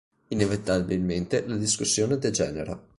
Inevitabilmente la discussione degenera.